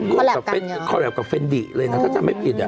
คอแร็บกับเฟนดี้เลยนะถ้าจำไม่เป็น